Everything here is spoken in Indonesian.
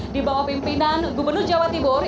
di bawah pimpinan gubernur jawa timur